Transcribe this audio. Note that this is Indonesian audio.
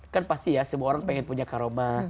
kan pasti ya semua orang pengen punya karomah